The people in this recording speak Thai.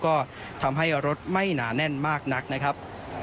ก็ทำให้รถไม่หนาแน่นมากนักนะครับ